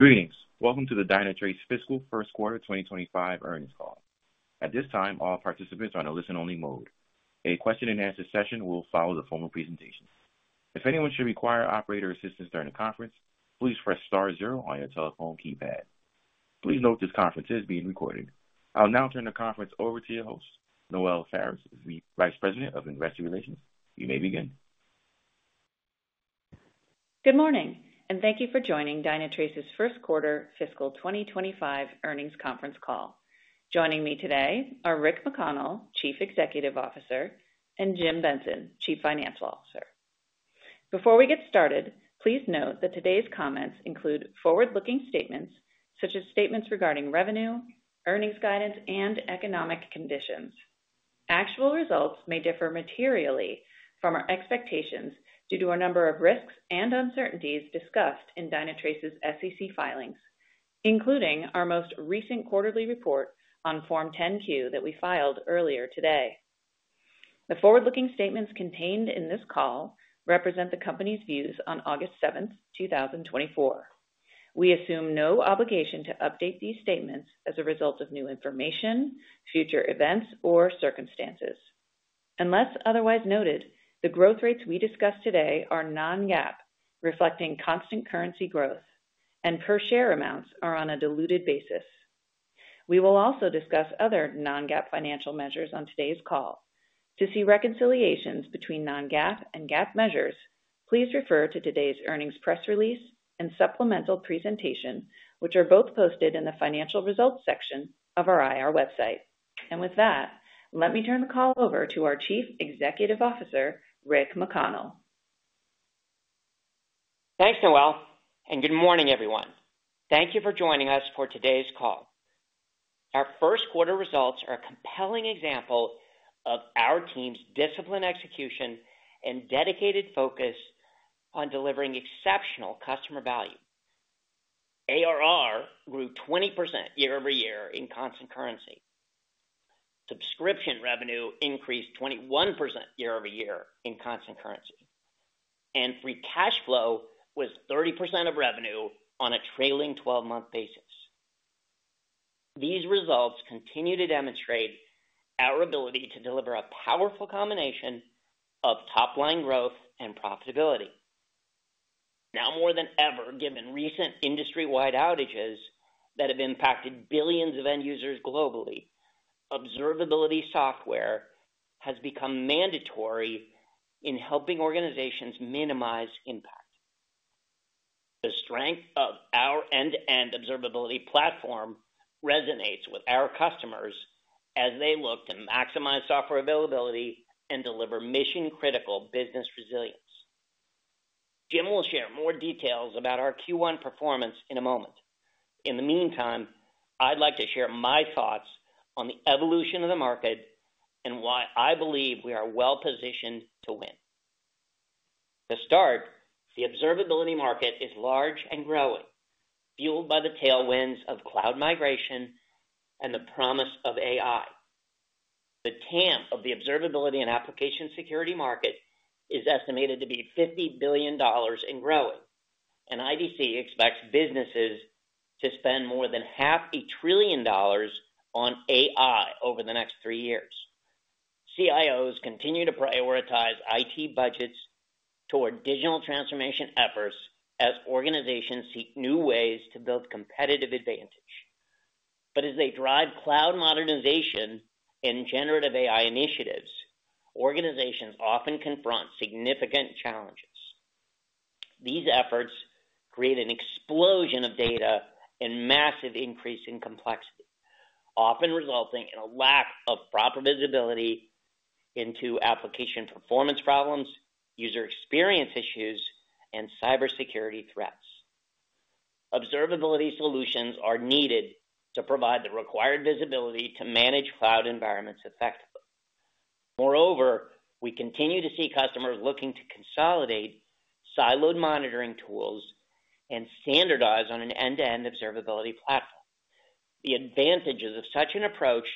Greetings! Welcome to the Dynatrace Fiscal First Quarter 2025 Earnings Call. At this time, all participants are on a listen-only mode. A question-and-answer session will follow the formal presentations. If anyone should require operator assistance during the conference, please press star zero on your telephone keypad. Please note this conference is being recorded. I'll now turn the conference over to your host, Noelle Faris, the Vice President of Investor Relations. You may begin. Good morning, and thank you for joining Dynatrace's first quarter fiscal 2025 earnings conference call. Joining me today are Rick McConnell, Chief Executive Officer, and Jim Benson, Chief Financial Officer. Before we get started, please note that today's comments include forward-looking statements such as statements regarding revenue, earnings guidance, and economic conditions. Actual results may differ materially from our expectations due to a number of risks and uncertainties discussed in Dynatrace's SEC filings, including our most recent quarterly report on Form 10-Q that we filed earlier today. The forward-looking statements contained in this call represent the company's views on August 7, 2024. We assume no obligation to update these statements as a result of new information, future events, or circumstances. Unless otherwise noted, the growth rates we discussed today are non-GAAP, reflecting constant currency growth, and per share amounts are on a diluted basis. We will also discuss other non-GAAP financial measures on today's call. To see reconciliations between non-GAAP and GAAP measures, please refer to today's earnings press release and supplemental presentation, which are both posted in the financial results section of our IR website. With that, let me turn the call over to our Chief Executive Officer, Rick McConnell. Thanks, Noelle, and good morning, everyone. Thank you for joining us for today's call. Our first quarter results are a compelling example of our team's disciplined execution and dedicated focus on delivering exceptional customer value. ARR grew 20% year-over-year in constant currency. Subscription revenue increased 21% year-over-year in constant currency, and free cash flow was 30% of revenue on a trailing 12-month basis. These results continue to demonstrate our ability to deliver a powerful combination of top-line growth and profitability. Now, more than ever, given recent industry-wide outages that have impacted billions of end users globally, observability software has become mandatory in helping organizations minimize impact. The strength of our end-to-end observability platform resonates with our customers as they look to maximize software availability and deliver mission-critical business resilience. Jim will share more details about our Q1 performance in a moment. In the meantime, I'd like to share my thoughts on the evolution of the market and why I believe we are well positioned to win. To start, the observability market is large and growing, fueled by the tailwinds of cloud migration and the promise of AI. The TAM of the observability and application security market is estimated to be $50 billion and growing, and IDC expects businesses to spend more than $500 billion on AI over the next three years. CIOs continue to prioritize IT budgets toward digital transformation efforts as organizations seek new ways to build competitive advantage. But as they drive cloud modernization and generative AI initiatives, organizations often confront significant challenges. These efforts create an explosion of data and massive increase in complexity, often resulting in a lack of proper visibility into application performance problems, user experience issues, and cybersecurity threats. Observability solutions are needed to provide the required visibility to manage cloud environments effectively. Moreover, we continue to see customers looking to consolidate siloed monitoring tools and standardize on an end-to-end observability platform. The advantages of such an approach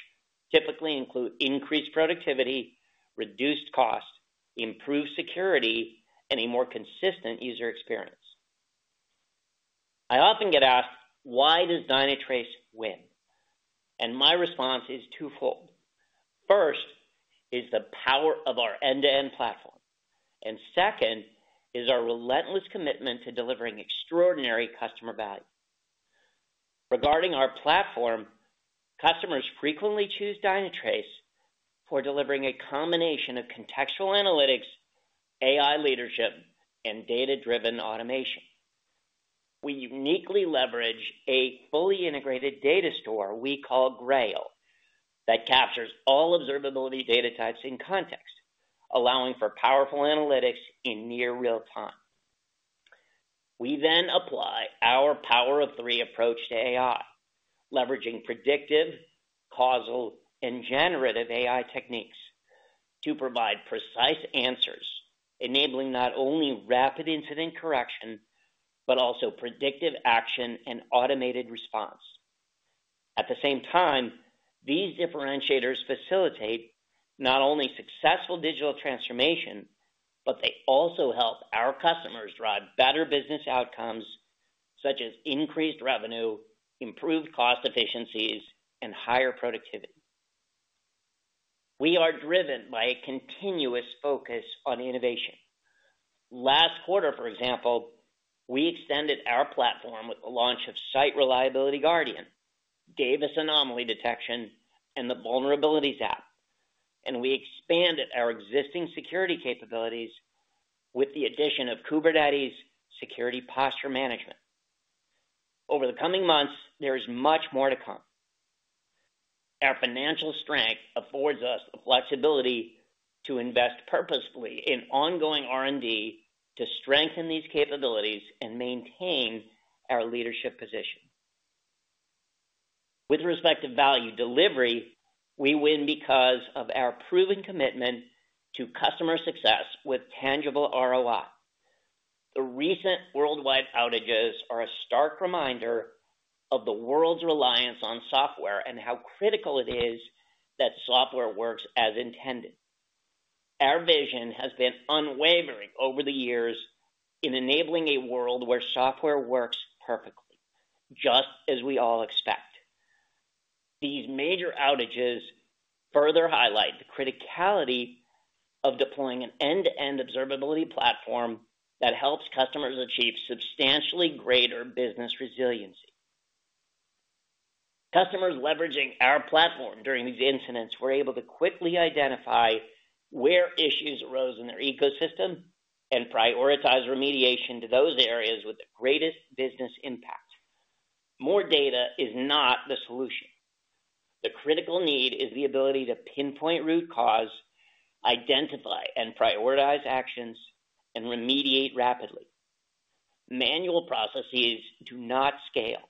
typically include increased productivity, reduced costs, improved security, and a more consistent user experience. I often get asked, "Why does Dynatrace win?" My response is twofold. First, is the power of our end-to-end platform, and second, is our relentless commitment to delivering extraordinary customer value. Regarding our platform, customers frequently choose Dynatrace for delivering a combination of contextual analytics, AI leadership, and data-driven automation. We uniquely leverage a fully integrated data store we call Grail, that captures all observability data types in context, allowing for powerful analytics in near real time. We then apply our power of three approach to AI, leveraging predictive, causal, and generative AI techniques to provide precise answers, enabling not only rapid incident correction, but also predictive action and automated response. At the same time, these differentiators facilitate not only successful digital transformation, but they also help our customers drive better business outcomes, such as increased revenue, improved cost efficiencies, and higher productivity. We are driven by a continuous focus on innovation. Last quarter, for example, we extended our platform with the launch of Site Reliability Guardian, Davis Anomaly Detection, and the Vulnerabilities App, and we expanded our existing security capabilities with the addition of Kubernetes Security Posture Management. Over the coming months, there is much more to come. Our financial strength affords us the flexibility to invest purposefully in ongoing R&D to strengthen these capabilities and maintain our leadership position. With respect to value delivery, we win because of our proven commitment to customer success with tangible ROI. The recent worldwide outages are a stark reminder of the world's reliance on software and how critical it is that software works as intended. Our vision has been unwavering over the years in enabling a world where software works perfectly, just as we all expect. These major outages further highlight the criticality of deploying an end-to-end observability platform that helps customers achieve substantially greater business resiliency. Customers leveraging our platform during these incidents were able to quickly identify where issues arose in their ecosystem and prioritize remediation to those areas with the greatest business impact. More data is not the solution. The critical need is the ability to pinpoint root cause, identify and prioritize actions, and remediate rapidly. Manual processes do not scale.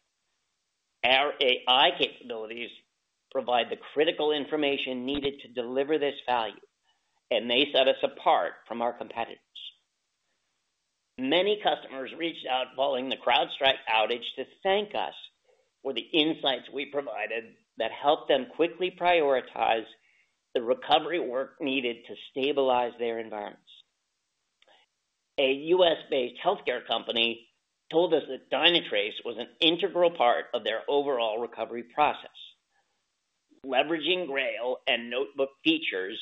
Our AI capabilities provide the critical information needed to deliver this value, and they set us apart from our competitors. Many customers reached out following the CrowdStrike outage to thank us for the insights we provided that helped them quickly prioritize the recovery work needed to stabilize their environments. A U.S.-based healthcare company told us that Dynatrace was an integral part of their overall recovery process. Leveraging Grail and Notebook features,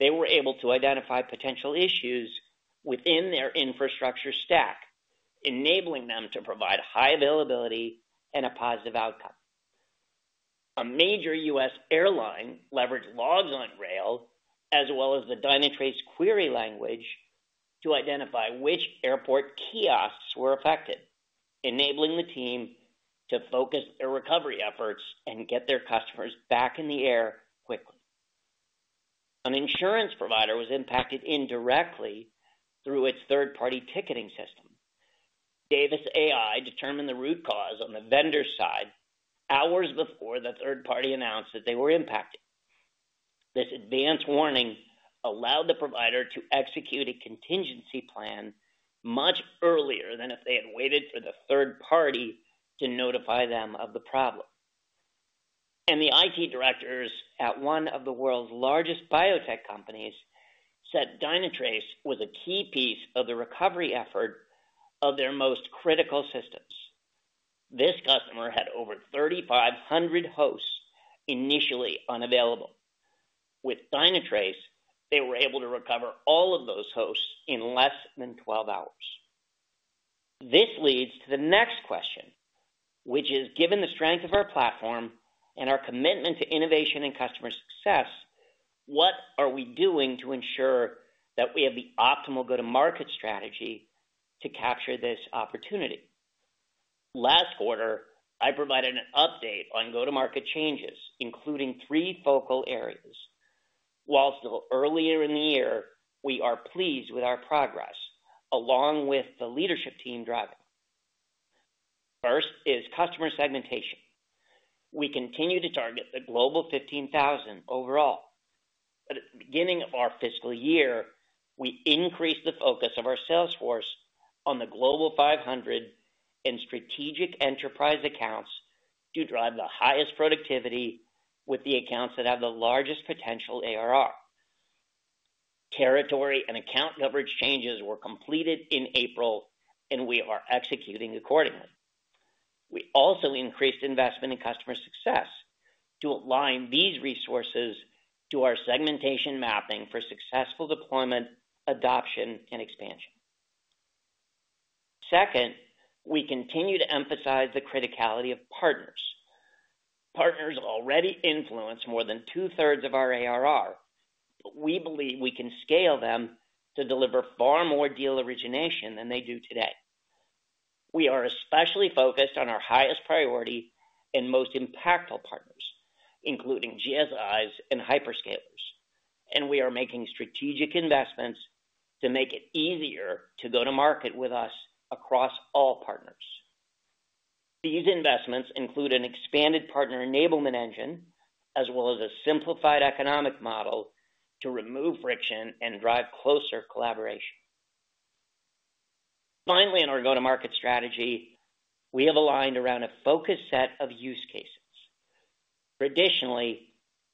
they were able to identify potential issues within their infrastructure stack, enabling them to provide high availability and a positive outcome. A major U.S. airline leveraged logs on Grail, as well as the Dynatrace Query Language, to identify which airport kiosks were affected, enabling the team to focus their recovery efforts and get their customers back in the air quickly. An insurance provider was impacted indirectly through its third-party ticketing system. Davis AI determined the root cause on the vendor side hours before the third party announced that they were impacted. This advanced warning allowed the provider to execute a contingency plan much earlier than if they had waited for the third party to notify them of the problem. The IT directors at one of the world's largest biotech companies said Dynatrace was a key piece of the recovery effort of their most critical systems. This customer had over 3,500 hosts initially unavailable. With Dynatrace, they were able to recover all of those hosts in less than 12 hours. This leads to the next question, which is: given the strength of our platform and our commitment to innovation and customer success, what are we doing to ensure that we have the optimal go-to-market strategy to capture this opportunity? Last quarter, I provided an update on go-to-market changes, including 3 focal areas. While still earlier in the year, we are pleased with our progress, along with the leadership team driving. First is customer segmentation. We continue to target the Global 15,000 overall. At the beginning of our fiscal year, we increased the focus of our sales force on the Global 500 and strategic enterprise accounts to drive the highest productivity with the accounts that have the largest potential ARR. Territory and account coverage changes were completed in April, and we are executing accordingly. We also increased investment in customer success to align these resources to our segmentation mapping for successful deployment, adoption, and expansion. Second, we continue to emphasize the criticality of partners. Partners already influence more than two-thirds of our ARR, but we believe we can scale them to deliver far more deal origination than they do today. We are especially focused on our highest priority and most impactful partners, including GSIs and hyperscalers, and we are making strategic investments to make it easier to go to market with us across all partners. These investments include an expanded partner enablement engine, as well as a simplified economic model to remove friction and drive closer collaboration.... Finally, in our go-to-market strategy, we have aligned around a focused set of use cases. Traditionally,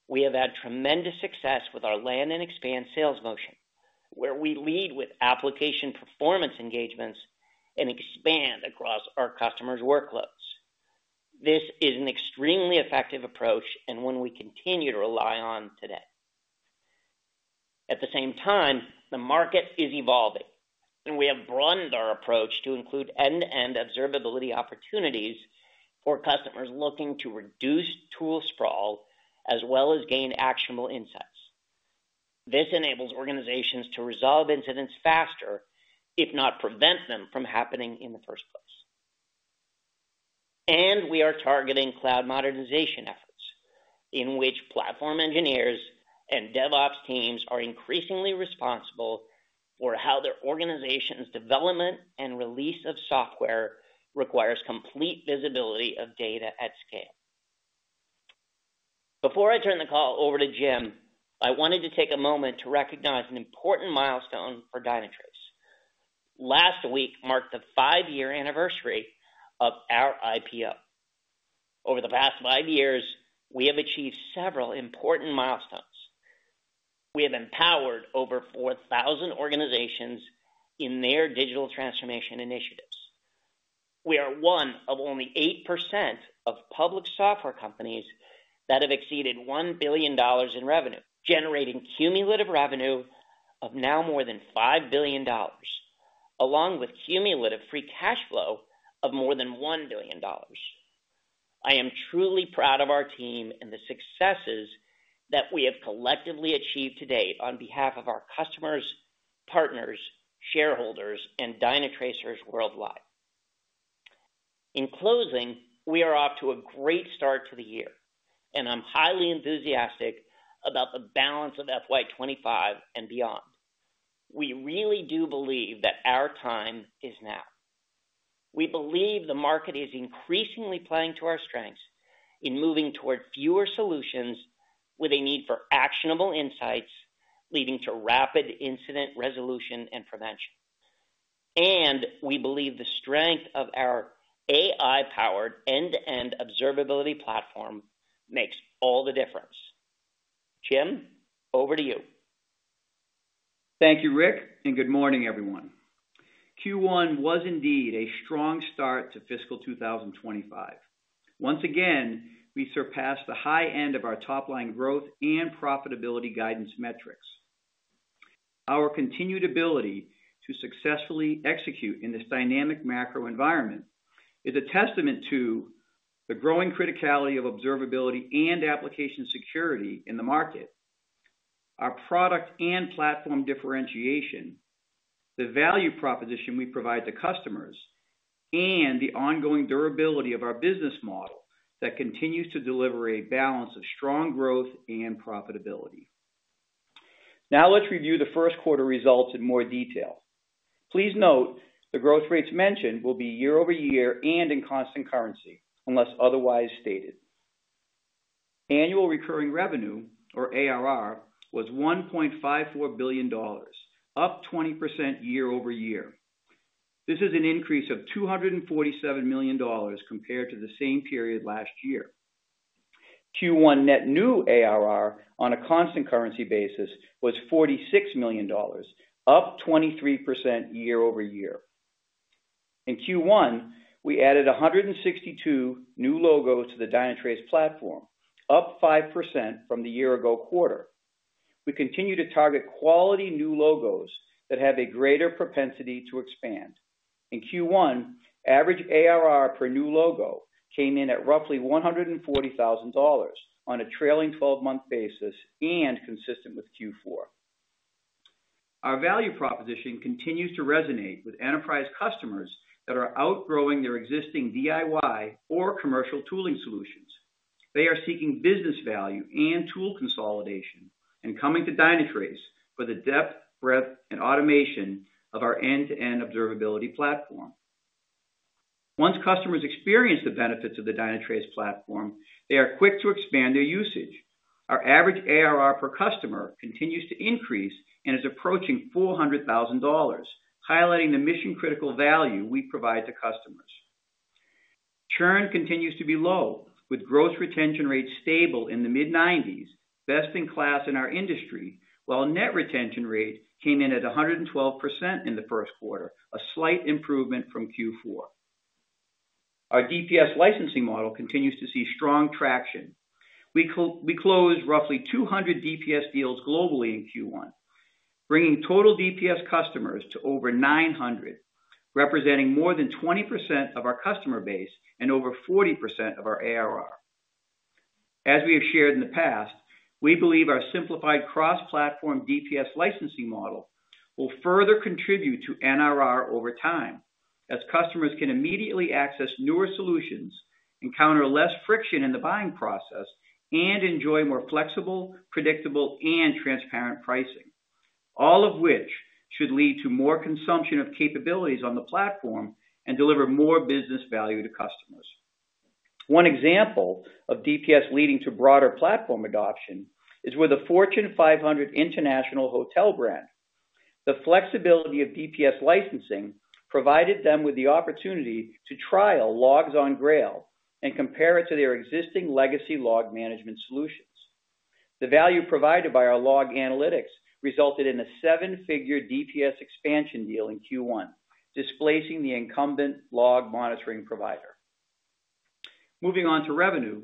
we have had tremendous success with our land and expand sales motion, where we lead with application performance engagements and expand across our customers' workloads. This is an extremely effective approach, and one we continue to rely on today. At the same time, the market is evolving, and we have broadened our approach to include end-to-end observability opportunities for customers looking to reduce tool sprawl, as well as gain actionable insights. This enables organizations to resolve incidents faster, if not prevent them from happening in the first place. And we are targeting cloud modernization efforts, in which platform engineers and DevOps teams are increasingly responsible for how their organization's development and release of software requires complete visibility of data at scale. Before I turn the call over to Jim, I wanted to take a moment to recognize an important milestone for Dynatrace. Last week marked the five-year anniversary of our IPO. Over the past five years, we have achieved several important milestones. We have empowered over 4,000 organizations in their digital transformation initiatives. We are one of only 8% of public software companies that have exceeded $1 billion in revenue, generating cumulative revenue of now more than $5 billion, along with cumulative free cash flow of more than $1 billion. I am truly proud of our team and the successes that we have collectively achieved to date on behalf of our customers, partners, shareholders, and Dynatracers worldwide. In closing, we are off to a great start to the year, and I'm highly enthusiastic about the balance of FY 2025 and beyond. We really do believe that our time is now. We believe the market is increasingly playing to our strengths in moving toward fewer solutions with a need for actionable insights, leading to rapid incident resolution and prevention. And we believe the strength of our AI-powered end-to-end observability platform makes all the difference. Jim, over to you. Thank you, Rick, and good morning, everyone. Q1 was indeed a strong start to fiscal 2025. Once again, we surpassed the high end of our top-line growth and profitability guidance metrics. Our continued ability to successfully execute in this dynamic macro environment is a testament to the growing criticality of observability and application security in the market, our product and platform differentiation, the value proposition we provide to customers, and the ongoing durability of our business model that continues to deliver a balance of strong growth and profitability. Now, let's review the first quarter results in more detail. Please note, the growth rates mentioned will be year-over-year and in constant currency, unless otherwise stated. Annual recurring revenue, or ARR, was $1.54 billion, up 20% year-over-year. This is an increase of $247 million compared to the same period last year. Q1 net new ARR on a constant currency basis was $46 million, up 23% year-over-year. In Q1, we added 162 new logos to the Dynatrace platform, up 5% from the year ago quarter. We continue to target quality new logos that have a greater propensity to expand. In Q1, average ARR per new logo came in at roughly $140,000 on a trailing twelve-month basis and consistent with Q4. Our value proposition continues to resonate with enterprise customers that are outgrowing their existing DIY or commercial tooling solutions. They are seeking business value and tool consolidation, and coming to Dynatrace for the depth, breadth, and automation of our end-to-end observability platform. Once customers experience the benefits of the Dynatrace platform, they are quick to expand their usage. Our average ARR per customer continues to increase and is approaching $400,000, highlighting the mission-critical value we provide to customers. Churn continues to be low, with gross retention rates stable in the mid-90s, best in class in our industry, while net retention rate came in at 112% in the first quarter, a slight improvement from Q4. Our DPS licensing model continues to see strong traction. We closed roughly 200 DPS deals globally in Q1, bringing total DPS customers to over 900, representing more than 20% of our customer base and over 40% of our ARR. As we have shared in the past, we believe our simplified cross-platform DPS licensing model will further contribute to NRR over time, as customers can immediately access newer solutions, encounter less friction in the buying process, and enjoy more flexible, predictable, and transparent pricing. All of which should lead to more consumption of capabilities on the platform and deliver more business value to customers.... One example of DPS leading to broader platform adoption is with a Fortune 500 international hotel brand. The flexibility of DPS licensing provided them with the opportunity to trial logs on Grail and compare it to their existing legacy log management solutions. The value provided by our log analytics resulted in a seven-figure DPS expansion deal in Q1, displacing the incumbent log monitoring provider. Moving on to revenue.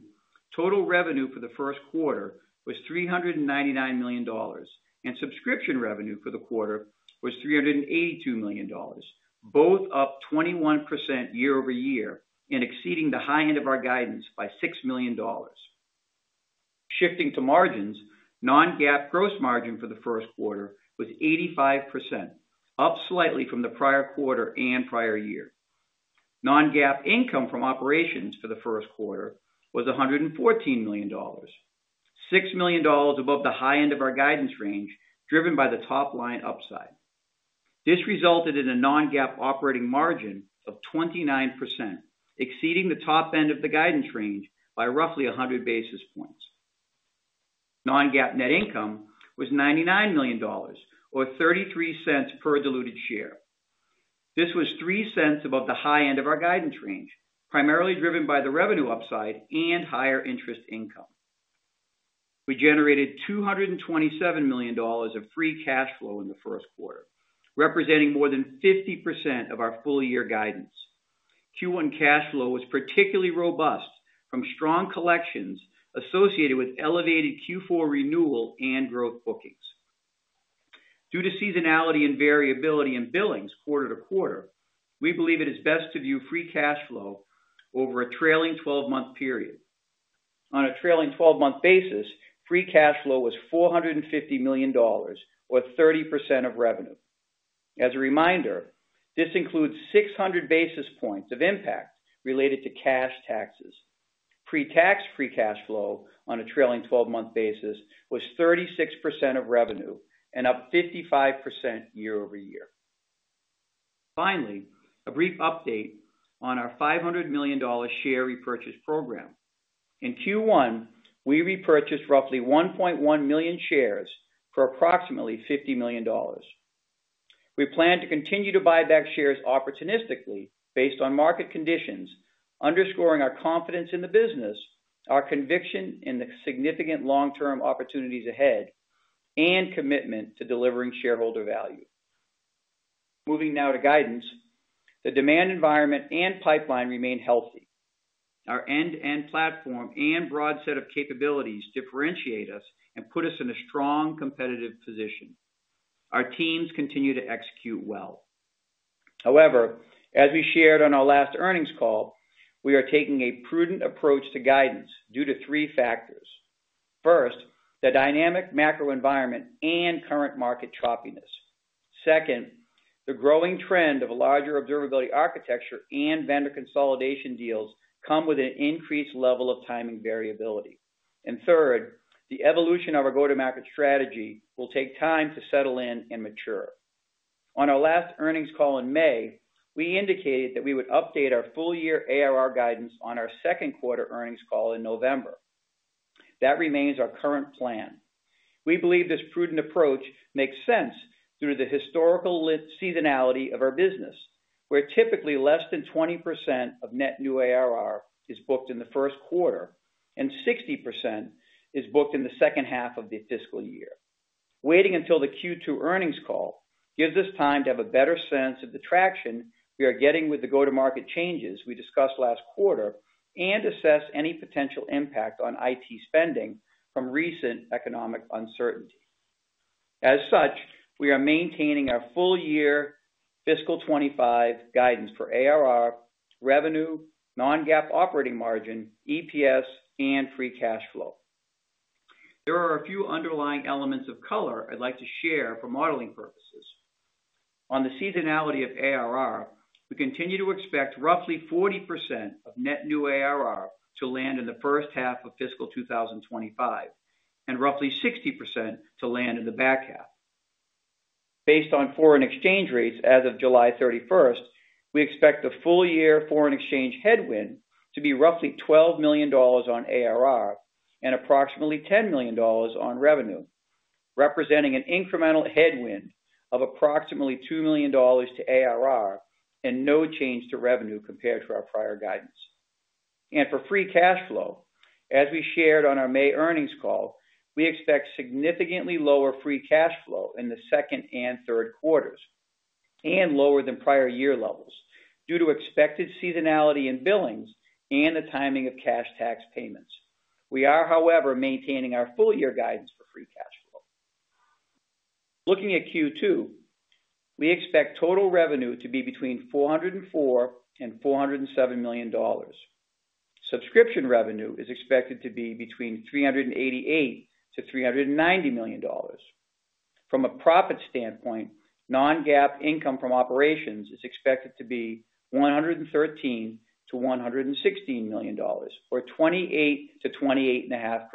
Total revenue for the first quarter was $399 million, and subscription revenue for the quarter was $382 million, both up 21% year-over-year and exceeding the high end of our guidance by $6 million. Shifting to margins, non-GAAP gross margin for the first quarter was 85%, up slightly from the prior quarter and prior year. Non-GAAP income from operations for the first quarter was $114 million, $6 million above the high end of our guidance range, driven by the top line upside. This resulted in a non-GAAP operating margin of 29%, exceeding the top end of the guidance range by roughly 100 basis points. Non-GAAP net income was $99 million, or $0.33 per diluted share. This was $0.03 above the high end of our guidance range, primarily driven by the revenue upside and higher interest income. We generated $227 million of free cash flow in the first quarter, representing more than 50% of our full year guidance. Q1 cash flow was particularly robust from strong collections associated with elevated Q4 renewal and growth bookings. Due to seasonality and variability in billings quarter to quarter, we believe it is best to view free cash flow over a trailing twelve-month period. On a trailing twelve-month basis, free cash flow was $450 million, or 30% of revenue. As a reminder, this includes 600 basis points of impact related to cash taxes. Pre-tax free cash flow on a trailing twelve-month basis was 36% of revenue and up 55% year-over-year. Finally, a brief update on our $500 million share repurchase program. In Q1, we repurchased roughly 1.1 million shares for approximately $50 million. We plan to continue to buy back shares opportunistically based on market conditions, underscoring our confidence in the business, our conviction in the significant long-term opportunities ahead, and commitment to delivering shareholder value. Moving now to guidance. The demand environment and pipeline remain healthy. Our end-to-end platform and broad set of capabilities differentiate us and put us in a strong competitive position. Our teams continue to execute well. However, as we shared on our last earnings call, we are taking a prudent approach to guidance due to three factors. First, the dynamic macro environment and current market choppiness. Second, the growing trend of a larger observability architecture and vendor consolidation deals come with an increased level of timing variability. Third, the evolution of our go-to-market strategy will take time to settle in and mature. On our last earnings call in May, we indicated that we would update our full year ARR guidance on our second quarter earnings call in November. That remains our current plan. We believe this prudent approach makes sense through the historical seasonality of our business, where typically less than 20% of net new ARR is booked in the first quarter and 60% is booked in the second half of the fiscal year. Waiting until the Q2 earnings call gives us time to have a better sense of the traction we are getting with the go-to-market changes we discussed last quarter, and assess any potential impact on IT spending from recent economic uncertainty. As such, we are maintaining our full-year fiscal 2025 guidance for ARR, revenue, non-GAAP operating margin, EPS, and free cash flow. There are a few underlying elements of color I'd like to share for modeling purposes. On the seasonality of ARR, we continue to expect roughly 40% of net new ARR to land in the first half of fiscal 2025, and roughly 60% to land in the back half. Based on foreign exchange rates as of July 31, we expect the full-year foreign exchange headwind to be roughly $12 million on ARR and approximately $10 million on revenue, representing an incremental headwind of approximately $2 million to ARR and no change to revenue compared to our prior guidance. For free cash flow, as we shared on our May earnings call, we expect significantly lower free cash flow in the second and third quarters, and lower than prior year levels due to expected seasonality in billings and the timing of cash tax payments. We are, however, maintaining our full year guidance for free cash flow. Looking at Q2, we expect total revenue to be between $404 million and $407 million. Subscription revenue is expected to be between $388 million to $390 million. From a profit standpoint, non-GAAP income from operations is expected to be $113 million to $116 million, or 28% to 28.5%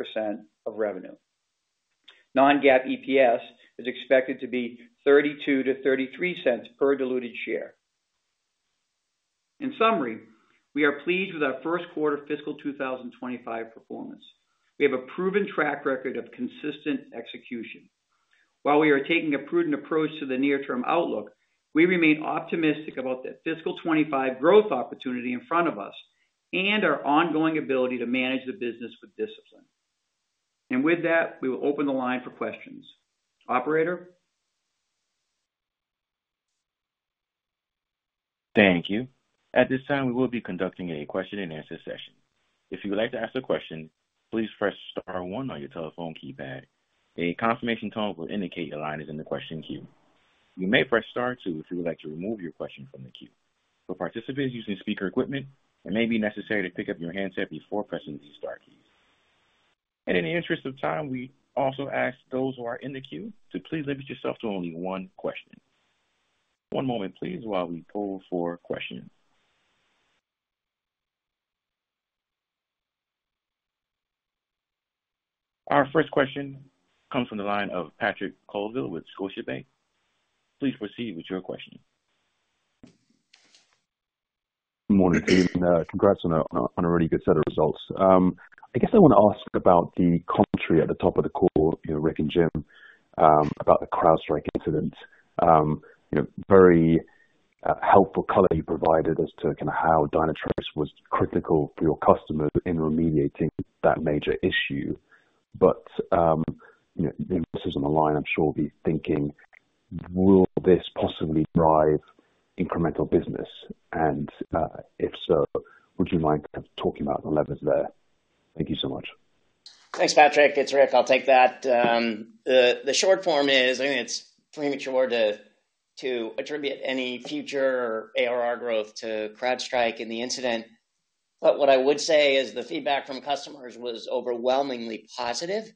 of revenue.... Non-GAAP EPS is expected to be $0.32-$0.33 per diluted share. In summary, we are pleased with our first quarter fiscal 2025 performance. We have a proven track record of consistent execution. While we are taking a prudent approach to the near-term outlook, we remain optimistic about the fiscal 2025 growth opportunity in front of us and our ongoing ability to manage the business with discipline. And with that, we will open the line for questions. Operator? Thank you. At this time, we will be conducting a question-and-answer session. If you would like to ask a question, please press star one on your telephone keypad. A confirmation tone will indicate your line is in the question queue. You may press star two if you would like to remove your question from the queue. For participants using speaker equipment, it may be necessary to pick up your handset before pressing the star key. In the interest of time, we also ask those who are in the queue to please limit yourself to only one question. One moment, please, while we poll for questions. Our first question comes from the line of Patrick Colville with Scotiabank. Please proceed with your question. Good morning, team. Congrats on a really good set of results. I guess I want to ask about the commentary at the top of the call, you know, Rick and Jim, about the CrowdStrike incident. You know, very helpful color you provided as to kind of how Dynatrace was critical for your customers in remediating that major issue. But, you know, investors on the line, I'm sure, will be thinking, will this possibly drive incremental business? And, if so, would you mind kind of talking about the levers there? Thank you so much. Thanks, Patrick. It's Rick, I'll take that. The short form is, I think it's premature to attribute any future ARR growth to CrowdStrike and the incident. But what I would say is the feedback from customers was overwhelmingly positive.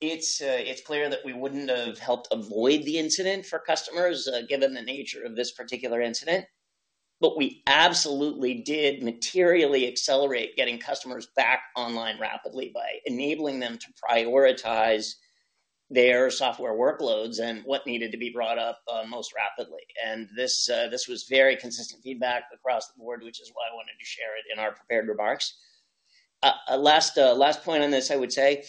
It's clear that we wouldn't have helped avoid the incident for customers, given the nature of this particular incident. But we absolutely did materially accelerate getting customers back online rapidly by enabling them to prioritize their software workloads and what needed to be brought up most rapidly. And this was very consistent feedback across the board, which is why I wanted to share it in our prepared remarks. Last point on this, I would say,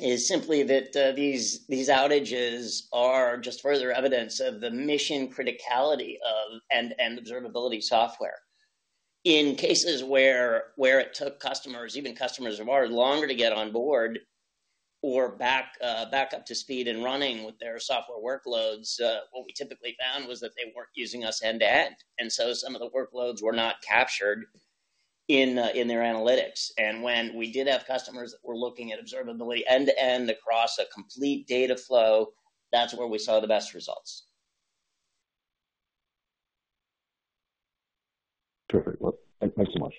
is simply that these outages are just further evidence of the mission criticality of observability software. In cases where it took customers, even customers of ours, longer to get on board or back, back up to speed and running with their software workloads, what we typically found was that they weren't using us end-to-end, and so some of the workloads were not captured in, in their analytics. When we did have customers that were looking at observability end-to-end across a complete data flow, that's where we saw the best results. Terrific. Well, thanks so much.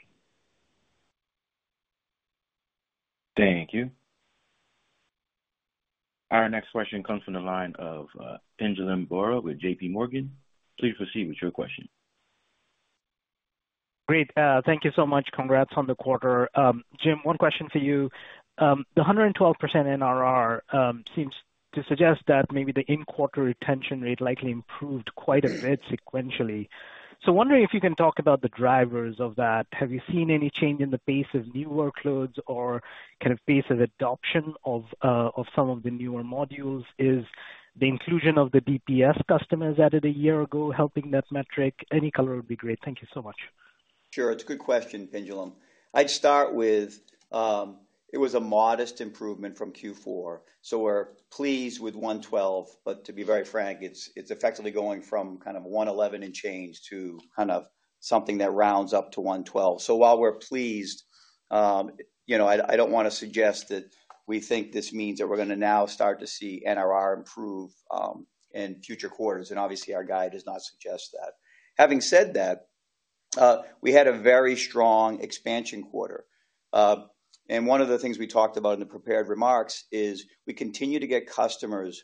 Thank you. Our next question comes from the line of Pinjalim Bora with J.P. Morgan. Please proceed with your question. Great. Thank you so much. Congrats on the quarter. Jim, one question for you. The 112% NRR seems to suggest that maybe the in-quarter retention rate likely improved quite a bit sequentially. So wondering if you can talk about the drivers of that. Have you seen any change in the pace of new workloads or kind of pace of adoption of some of the newer modules? Is the inclusion of the DPS customers added a year ago helping that metric? Any color would be great. Thank you so much. Sure. It's a good question, Pinjalim. I'd start with, it was a modest improvement from Q4, so we're pleased with 112, but to be very frank, it's, it's effectively going from kind of 111 and change to kind of something that rounds up to 112. So while we're pleased, you know, I, I don't want to suggest that we think this means that we're going to now start to see NRR improve, in future quarters, and obviously, our guide does not suggest that. Having said that, we had a very strong expansion quarter. And one of the things we talked about in the prepared remarks is we continue to get customers,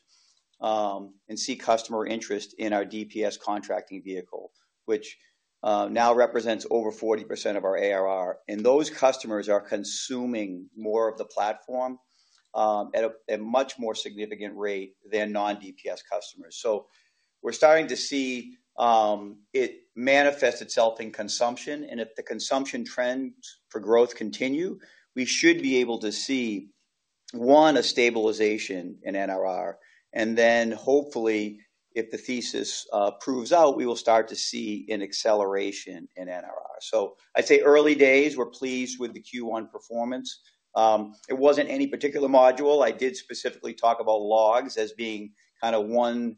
and see customer interest in our DPS contracting vehicle, which, now represents over 40% of our ARR. Those customers are consuming more of the platform at a much more significant rate than non-DPS customers. We're starting to see it manifest itself in consumption, and if the consumption trends for growth continue, we should be able to see, one, a stabilization in NRR, and then hopefully, if the thesis proves out, we will start to see an acceleration in NRR. I'd say early days, we're pleased with the Q1 performance. It wasn't any particular module. I did specifically talk about logs as being kind of one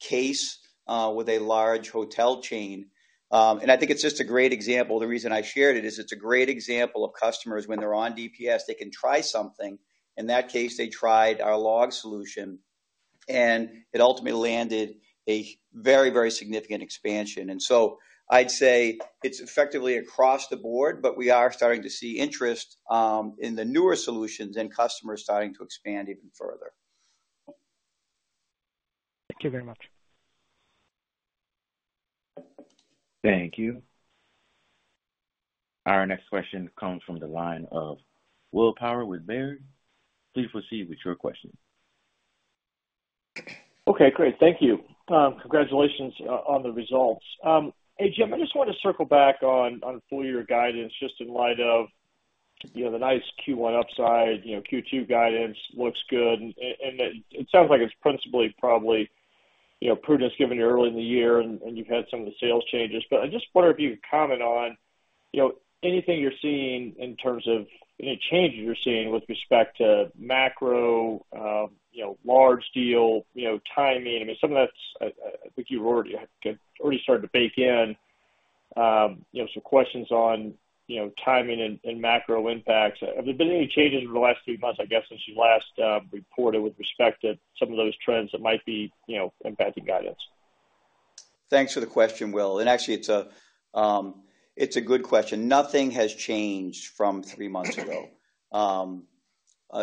case with a large hotel chain. And I think it's just a great example. The reason I shared it is it's a great example of customers when they're on DPS, they can try something. In that case, they tried our log solution, and it ultimately landed a very, very significant expansion. And so I'd say it's effectively across the board, but we are starting to see interest in the newer solutions and customers starting to expand even further. Thank you very much.... Thank you. Our next question comes from the line of Will Power with Baird. Please proceed with your question. Okay, great. Thank you. Congratulations on the results. Hey, Jim, I just want to circle back on full year guidance, just in light of, you know, the nice Q1 upside, you know, Q2 guidance looks good, and it sounds like it's principally probably, you know, prudence given you're early in the year and you've had some of the sales changes. But I just wonder if you could comment on, you know, anything you're seeing in terms of any changes you're seeing with respect to macro, you know, large deal, you know, timing. I mean, some of that's I think you've already started to bake in. You know, some questions on, you know, timing and macro impacts. Have there been any changes over the last three months, I guess, since you last reported with respect to some of those trends that might be, you know, impacting guidance? Thanks for the question, Will, and actually it's a, it's a good question. Nothing has changed from three months ago.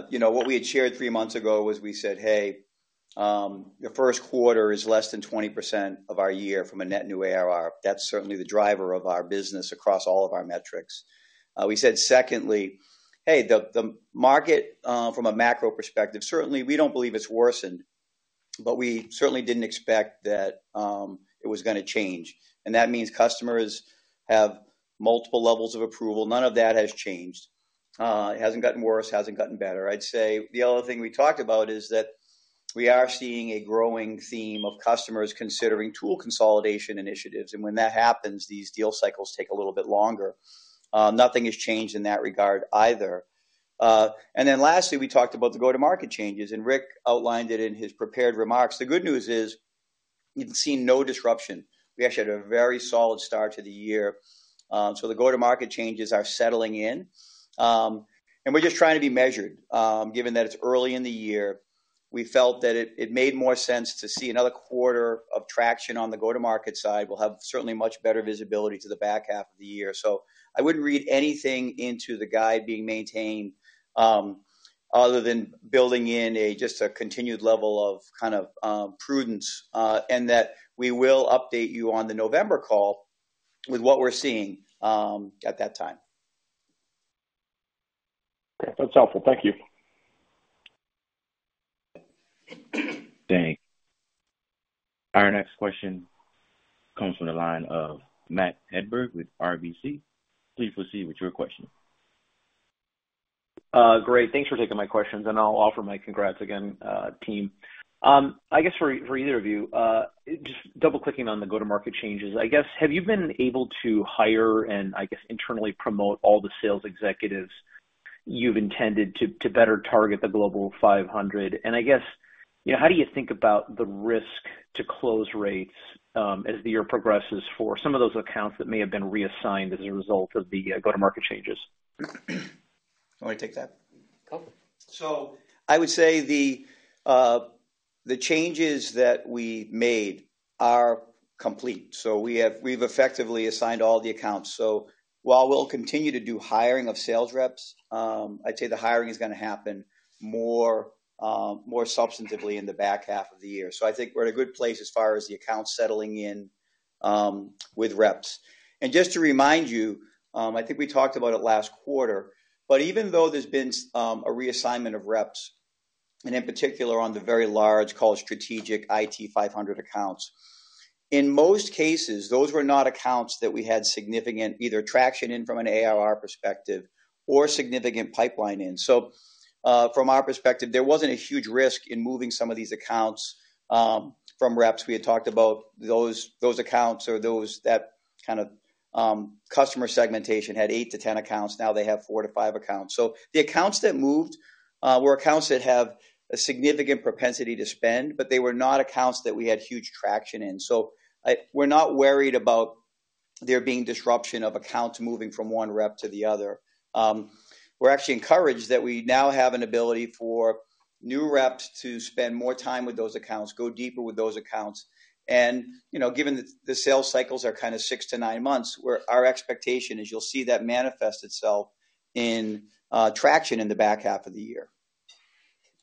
You know, what we had shared three months ago was we said, "Hey, the first quarter is less than 20% of our year from a net new ARR." That's certainly the driver of our business across all of our metrics. We said, secondly, "Hey, the market, from a macro perspective, certainly we don't believe it's worsened, but we certainly didn't expect that, it was gonna change." And that means customers have multiple levels of approval. None of that has changed. It hasn't gotten worse, hasn't gotten better. I'd say the other thing we talked about is that we are seeing a growing theme of customers considering tool consolidation initiatives, and when that happens, these deal cycles take a little bit longer. Nothing has changed in that regard either. And then lastly, we talked about the go-to-market changes, and Rick outlined it in his prepared remarks. The good news is we've seen no disruption. We actually had a very solid start to the year. So the go-to-market changes are settling in. And we're just trying to be measured. Given that it's early in the year, we felt that it, it made more sense to see another quarter of traction on the go-to-market side. We'll have certainly much better visibility to the back half of the year. So I wouldn't read anything into the guide being maintained, other than building in a just a continued level of kind of prudence, and that we will update you on the November call with what we're seeing at that time. That's helpful. Thank you. Thanks. Our next question comes from the line of Matt Hedberg with RBC. Please proceed with your question. Great. Thanks for taking my questions, and I'll offer my congrats again, team. I guess for either of you, just double-clicking on the go-to-market changes, I guess, have you been able to hire and, I guess, internally promote all the sales executives you've intended to, to better target the Global 500? And I guess, you know, how do you think about the risk to close rates, as the year progresses for some of those accounts that may have been reassigned as a result of the go-to-market changes? You want me to take that? Go for it. So I would say the changes that we made are complete. So we've effectively assigned all the accounts. So while we'll continue to do hiring of sales reps, I'd say the hiring is gonna happen more substantively in the back half of the year. So I think we're in a good place as far as the accounts settling in with reps. And just to remind you, I think we talked about it last quarter, but even though there's been a reassignment of reps, and in particular on the very large, called strategic IT 500 accounts, in most cases, those were not accounts that we had significant either traction in from an ARR perspective or significant pipeline in. So, from our perspective, there wasn't a huge risk in moving some of these accounts from reps. We had talked about those accounts or that kind of customer segmentation had 8-10 accounts, now they have 4-5 accounts. So the accounts that moved were accounts that have a significant propensity to spend, but they were not accounts that we had huge traction in. So we're not worried about there being disruption of accounts moving from one rep to the other. We're actually encouraged that we now have an ability for new reps to spend more time with those accounts, go deeper with those accounts. And, you know, given the sales cycles are kind of 6-9 months, where our expectation is you'll see that manifest itself in traction in the back half of the year.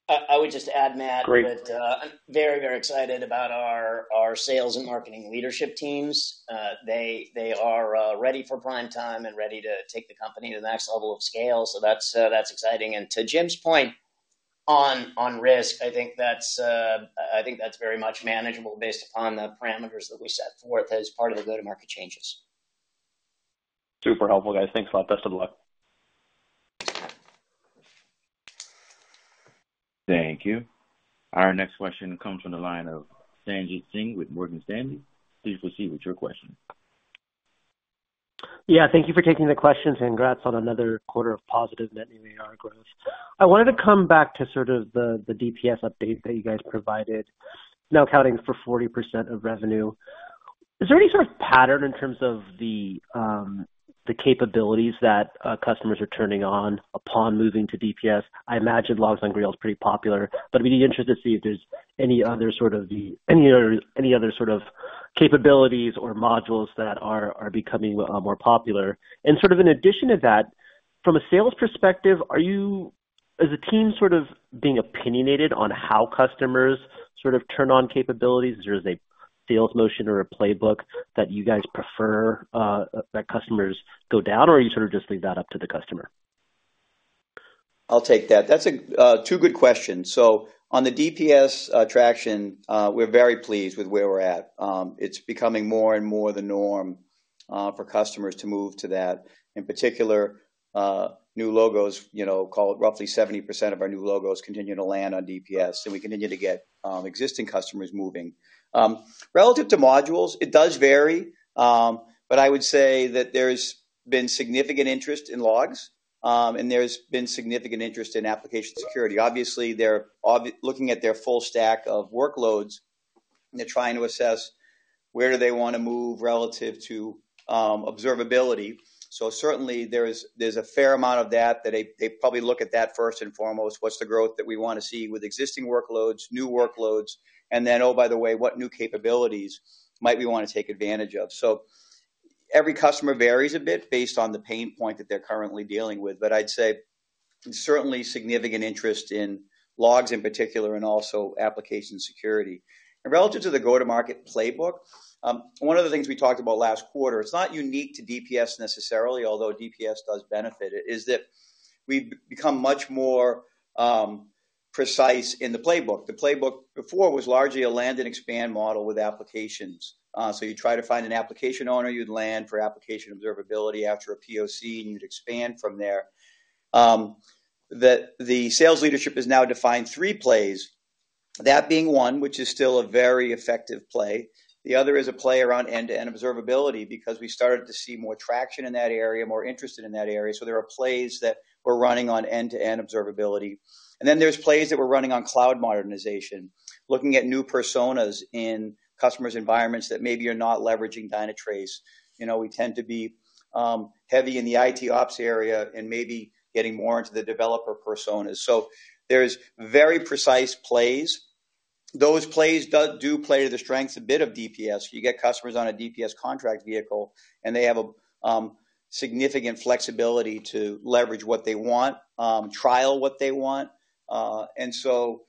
I would just add, Matt- Great. I'm very, very excited about our, our sales and marketing leadership teams. They, they are ready for prime time and ready to take the company to the next level of scale. So that's, that's exciting. And to Jim's point on, on risk, I think that's, I think that's very much manageable based upon the parameters that we set forth as part of the go-to-market changes. Super helpful, guys. Thanks a lot. Best of luck. Thank you. Our next question comes from the line of Sanjit Singh with Morgan Stanley. Please proceed with your question. Yeah, thank you for taking the questions, and congrats on another quarter of positive net new ARR growth. I wanted to come back to sort of the DPS update that you guys provided, now accounting for 40% of revenue. Is there any sort of pattern in terms of the capabilities that customers are turning on upon moving to DPS? I imagine Logs on Grail is pretty popular, but I'd be interested to see if there's any other sort of capabilities or modules that are becoming more popular. And sort of in addition to that, from a sales perspective, are you-... Is the team sort of being opinionated on how customers sort of turn on capabilities? Is there a sales motion or a playbook that you guys prefer that customers go down, or you sort of just leave that up to the customer? I'll take that. That's two good questions. So on the DPS traction, we're very pleased with where we're at. It's becoming more and more the norm for customers to move to that. In particular, new logos, you know, call it roughly 70% of our new logos continue to land on DPS, and we continue to get existing customers moving. Relative to modules, it does vary, but I would say that there's been significant interest in logs, and there's been significant interest in application security. Obviously, they're looking at their full stack of workloads, and they're trying to assess where do they wanna move relative to observability. So certainly there is—there's a fair amount of that, that they probably look at that first and foremost. What's the growth that we wanna see with existing workloads, new workloads, and then, oh, by the way, what new capabilities might we wanna take advantage of? So every customer varies a bit based on the pain point that they're currently dealing with, but I'd say certainly significant interest in logs in particular, and also application security. And relative to the go-to-market playbook, one of the things we talked about last quarter, it's not unique to DPS necessarily, although DPS does benefit it, is that we've become much more precise in the playbook. The playbook before was largely a land-and-expand model with applications. So you try to find an application owner, you'd land for application observability after a POC, and you'd expand from there. The sales leadership has now defined three plays, that being one, which is still a very effective play. The other is a play around end-to-end observability, because we started to see more traction in that area, more interest in that area. So there are plays that we're running on end-to-end observability. And then there's plays that we're running on cloud modernization, looking at new personas in customers' environments that maybe are not leveraging Dynatrace. You know, we tend to be heavy in the IT Ops area and maybe getting more into the developer personas. So there's very precise plays. Those plays do play to the strengths a bit of DPS. You get customers on a DPS contract vehicle, and they have a significant flexibility to leverage what they want, trial what they want. And so,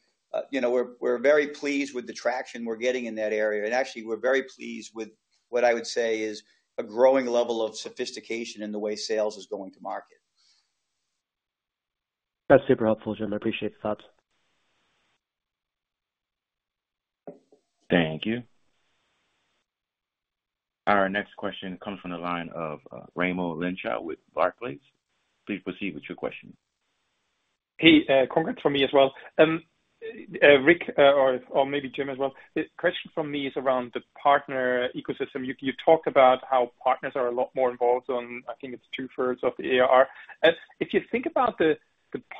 you know, we're very pleased with the traction we're getting in that area. Actually, we're very pleased with what I would say is a growing level of sophistication in the way sales is going to market. That's super helpful, Jim. I appreciate the thoughts. Thank you. Our next question comes from the line of, Raimo Lenschow with Barclays. Please proceed with your question. Hey, congrats from me as well. Rick, or maybe Jim as well. The question from me is around the partner ecosystem. You talked about how partners are a lot more involved on, I think it's two-thirds of the ARR. If you think about the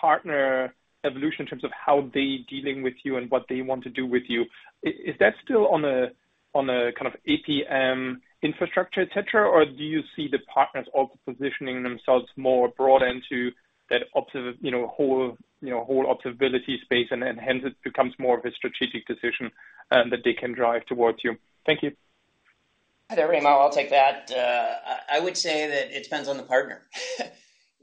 partner evolution in terms of how they're dealing with you and what they want to do with you, is that still on a, on a kind of APM infrastructure, et cetera? Or do you see the partners also positioning themselves more broad into that observability—you know, whole, you know, whole observability space, and hence it becomes more of a strategic decision, that they can drive towards you? Thank you. Hi there, Raimo. I'll take that. I would say that it depends on the partner.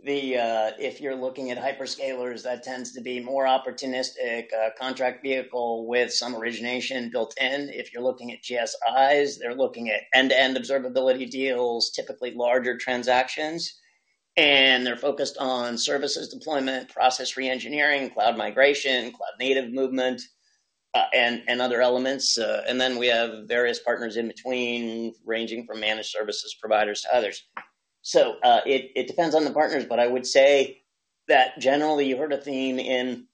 If you're looking at hyperscalers, that tends to be more opportunistic contract vehicle with some origination built in. If you're looking at GSIs, they're looking at end-to-end observability deals, typically larger transactions, and they're focused on services deployment, process reengineering, cloud migration, cloud native movement, and other elements. And then we have various partners in between, ranging from managed services providers to others. So, it depends on the partners, but I would say that generally, you heard a theme in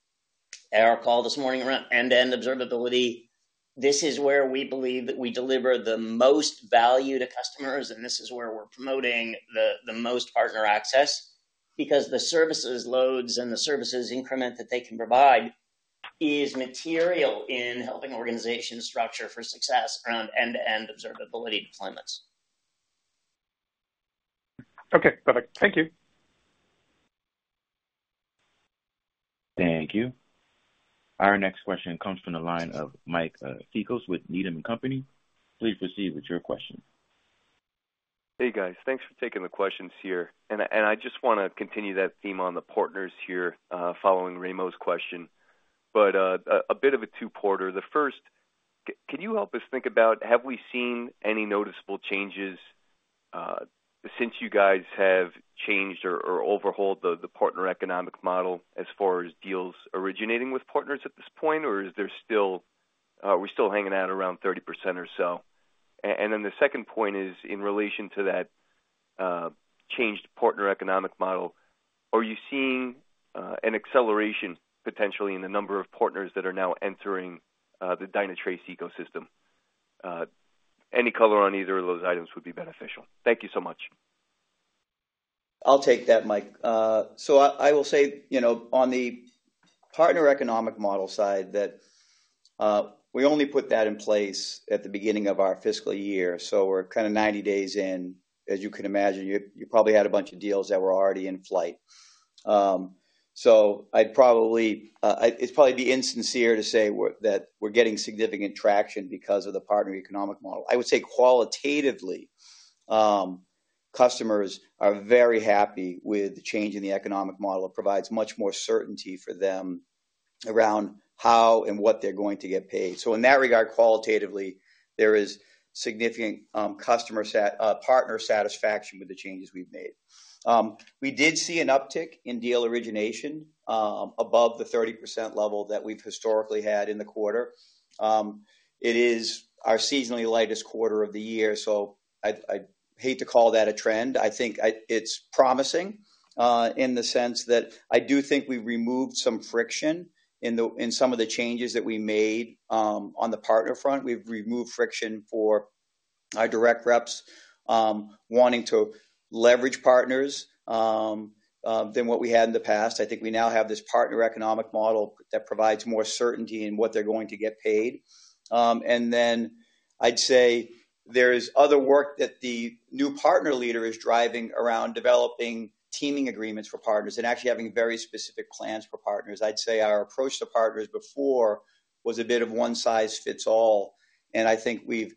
our call this morning around end-to-end observability. This is where we believe that we deliver the most value to customers, and this is where we're promoting the most partner access because the services loads and the services increment that they can provide is material in helping organizations structure for success around end-to-end observability deployments. Okay, perfect. Thank you. Thank you. Our next question comes from the line of Mike Cikos with Needham and Company. Please proceed with your question. Hey, guys. Thanks for taking the questions here. I just wanna continue that theme on the partners here, following Raimo's question, but a bit of a two-parter. The first, can you help us think about, have we seen any noticeable changes since you guys have changed or overhauled the partner economic model as far as deals originating with partners at this point, or is there still... Are we still hanging out around 30% or so? And then the second point is in relation to that changed partner economic model, are you seeing an acceleration potentially in the number of partners that are now entering the Dynatrace ecosystem? Any color on either of those items would be beneficial. Thank you so much. I'll take that, Mike. So I will say, you know, on the partner economic model side, that we only put that in place at the beginning of our fiscal year, so we're kind of 90 days in. As you can imagine, you probably had a bunch of deals that were already in flight. So I'd probably be insincere to say we're getting significant traction because of the partner economic model. I would say qualitatively, customers are very happy with the change in the economic model. It provides much more certainty for them around how and what they're going to get paid. So in that regard, qualitatively, there is significant partner satisfaction with the changes we've made. We did see an uptick in deal origination above the 30% level that we've historically had in the quarter. It is our seasonally lightest quarter of the year, so I'd hate to call that a trend. I think it's promising, in the sense that I do think we've removed some friction in some of the changes that we made, on the partner front. We've removed friction for our direct reps, wanting to leverage partners, than what we had in the past. I think we now have this partner economic model that provides more certainty in what they're going to get paid. And then I'd say there is other work that the new partner leader is driving around, developing teaming agreements for partners and actually having very specific plans for partners. I'd say our approach to partners before was a bit of one size fits all, and I think we've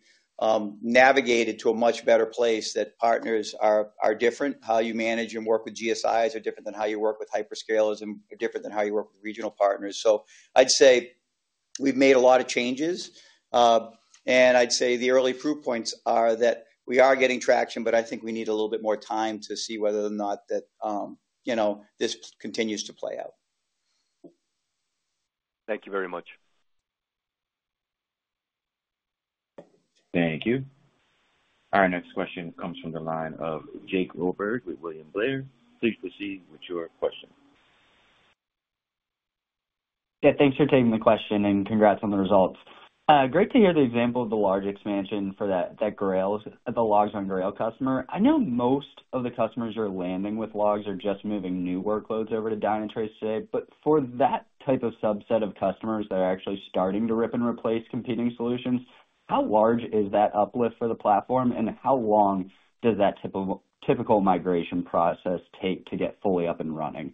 navigated to a much better place that partners are different. How you manage and work with GSIs are different than how you work with hyperscalers and different than how you work with regional partners. So I'd say we've made a lot of changes, and I'd say the early proof points are that we are getting traction, but I think we need a little bit more time to see whether or not that, you know, this continues to play out. Thank you very much. Thank you. Our next question comes from the line of Jake Roberge with William Blair. Please proceed with your question. Yeah, thanks for taking the question, and congrats on the results. Great to hear the example of the large expansion for that Grail, the Logs on Grail customer. I know most of the customers you're landing with Logs are just moving new workloads over to Dynatrace today, but for that type of subset of customers that are actually starting to rip and replace competing solutions, how large is that uplift for the platform, and how long does that typical migration process take to get fully up and running?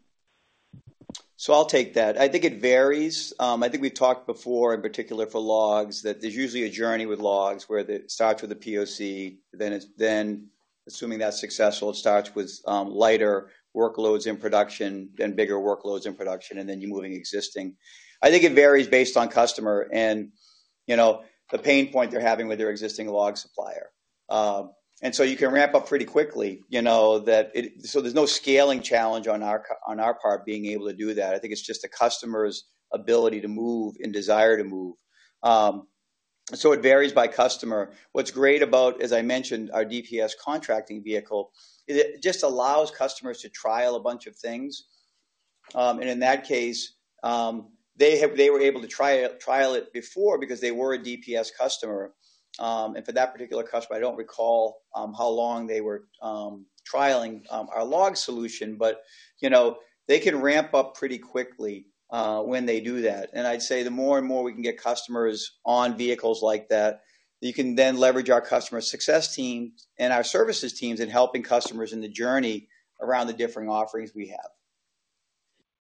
So I'll take that. I think it varies. I think we've talked before, in particular for Logs, that there's usually a journey with Logs, where it starts with a POC, then it's. Then, assuming that's successful, it starts with lighter workloads in production and bigger workloads in production, and then you moving existing. I think it varies based on customer and, you know, the pain point they're having with their existing Log supplier. And so you can ramp up pretty quickly. You know, that. So there's no scaling challenge on our part, being able to do that. I think it's just the customer's ability to move and desire to move. So it varies by customer. What's great about, as I mentioned, our DPS contracting vehicle, is it just allows customers to trial a bunch of things. And in that case, they were able to trial it before because they were a DPS customer. And for that particular customer, I don't recall how long they were trialing our Log solution, but, you know, they can ramp up pretty quickly when they do that. And I'd say the more and more we can get customers on vehicles like that, you can then leverage our customer success team and our services teams in helping customers in the journey around the different offerings we have.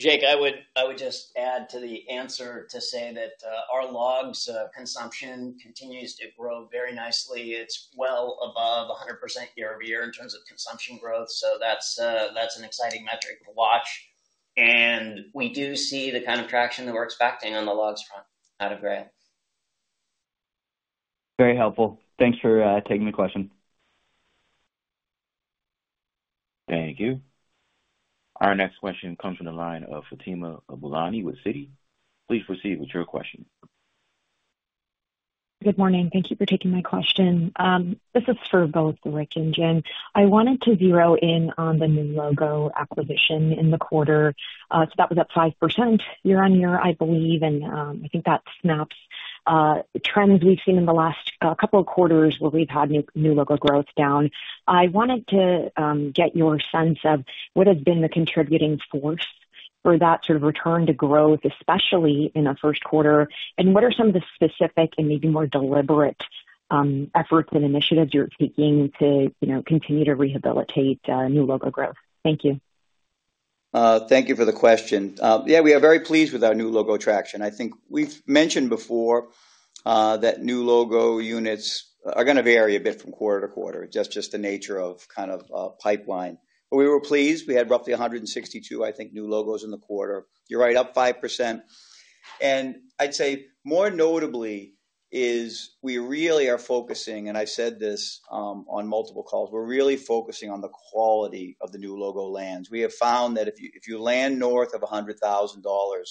Jake, I would, I would just add to the answer to say that, our Logs consumption continues to grow very nicely. It's well above 100% year-over-year in terms of consumption growth, so that's, that's an exciting metric to watch. And we do see the kind of traction that we're expecting on the Logs front, out of Grail. Very helpful. Thanks for taking the question. Thank you. Our next question comes from the line of Fatima Boolani with Citi. Please proceed with your question. Good morning. Thank you for taking my question. This is for both Rick and Jim. I wanted to zero in on the new logo acquisition in the quarter. So that was up 5% year-over-year, I believe, and, I think that snaps trends we've seen in the last couple of quarters where we've had new, new logo growth down. I wanted to get your sense of what has been the contributing force for that sort of return to growth, especially in the first quarter, and what are some of the specific and maybe more deliberate efforts and initiatives you're taking to, you know, continue to rehabilitate new logo growth? Thank you. Thank you for the question. Yeah, we are very pleased with our new logo traction. I think we've mentioned before that new logo units are gonna vary a bit from quarter to quarter, just the nature of kind of pipeline. But we were pleased. We had roughly 162, I think, new logos in the quarter. You're right, up 5%. And I'd say more notably is we really are focusing, and I said this on multiple calls, we're really focusing on the quality of the new logo lands. We have found that if you, if you land north of $100,000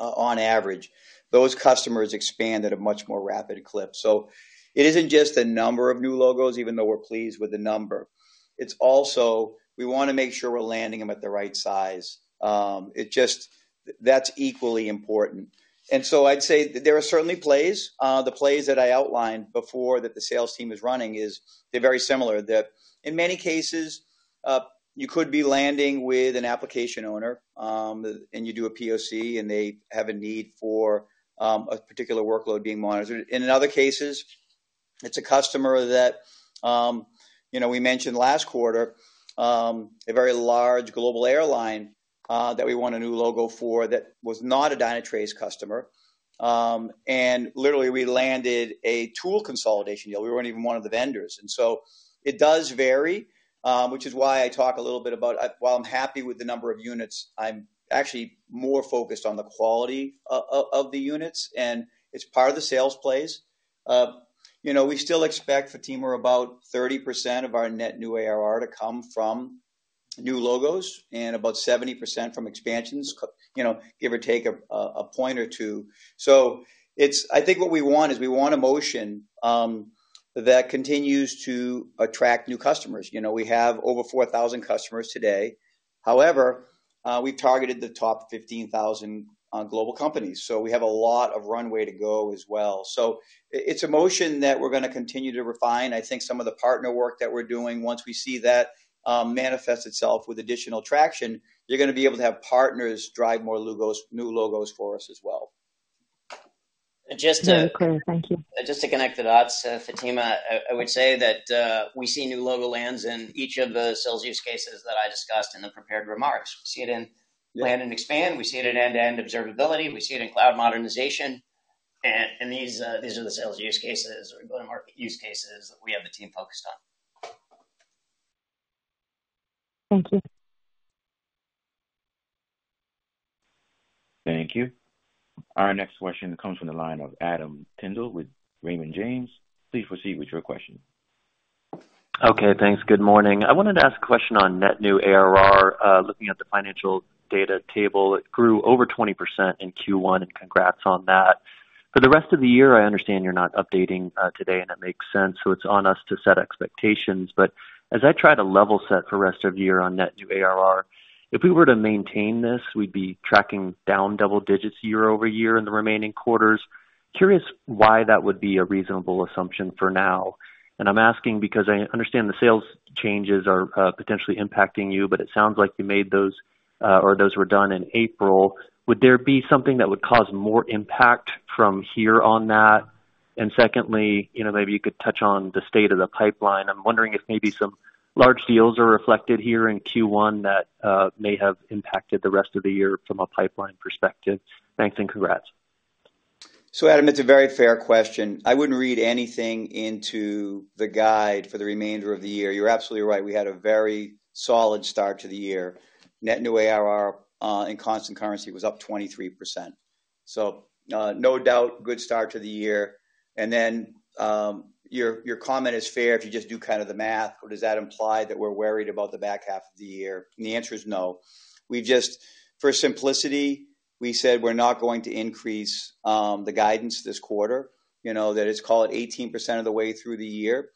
on average, those customers expand at a much more rapid clip. So it isn't just the number of new logos, even though we're pleased with the number. It's also, we wanna make sure we're landing them at the right size. It just... That's equally important. And so I'd say there are certainly plays. The plays that I outlined before that the sales team is running is, they're very similar, that in many cases, you could be landing with an application owner, and you do a POC, and they have a need for a particular workload being monitored. In other cases, it's a customer that, you know, we mentioned last quarter, a very large global airline that we won a new logo for that was not a Dynatrace customer. And literally, we landed a tool consolidation deal. We weren't even one of the vendors. And so it does vary, which is why I talk a little bit about, while I'm happy with the number of units, I'm actually more focused on the quality of the units, and it's part of the sales plays. You know, we still expect, Fatima, about 30% of our net new ARR to come from new logos and about 70% from expansions, you know, give or take a point or two. So it's-- I think what we want is we want a motion that continues to attract new customers. You know, we have over 4,000 customers today. However, we've targeted the top 15,000 global companies, so we have a lot of runway to go as well. So it's a motion that we're gonna continue to refine. I think some of the partner work that we're doing, once we see that, manifest itself with additional traction, you're gonna be able to have partners drive more logos, new logos for us as well. Just to- Okay, thank you. Just to connect the dots, Fatima, I would say that we see new logo lands in each of the sales use cases that I discussed in the prepared remarks. We see it in land and expand, we see it in end-to-end observability, we see it in cloud modernization, and these are the sales use cases or go-to-market use cases we have the team focused on. Thank you. Thank you. Our next question comes from the line of Adam Tindle with Raymond James. Please proceed with your question. Okay, thanks. Good morning. I wanted to ask a question on net new ARR. Looking at the financial data table, it grew over 20% in Q1, and congrats on that. For the rest of the year, I understand you're not updating today, and that makes sense, so it's on us to set expectations. But as I try to level set for rest of year on net new ARR, if we were to maintain this, we'd be tracking down double digits year-over-year in the remaining quarters. Curious why that would be a reasonable assumption for now? And I'm asking because I understand the sales changes are potentially impacting you, but it sounds like you made those or those were done in April. Would there be something that would cause more impact from here on that? And secondly, you know, maybe you could touch on the state of the pipeline. I'm wondering if maybe some large deals are reflected here in Q1 that may have impacted the rest of the year from a pipeline perspective. Thanks, and congrats. So, Adam, it's a very fair question. I wouldn't read anything into the guidance for the remainder of the year. You're absolutely right. We had a very solid start to the year. Net new ARR in constant currency was up 23%. So, no doubt, good start to the year. And then, your comment is fair if you just do kind of the math, or does that imply that we're worried about the back half of the year? And the answer is no. We just... For simplicity, we said we're not going to increase the guidance this quarter, you know, that it's, call it, 18% of the way through the year.